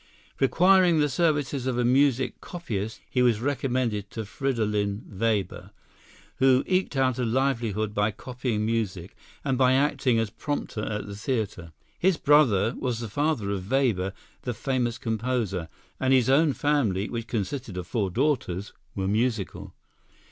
Requiring the services of a music copyist, he was recommended to Fridolin Weber, who eked out a livelihood by copying music and by acting as prompter at the theatre. His brother was the father of Weber, the famous composer, and his own family, which consisted of four daughters, was musical.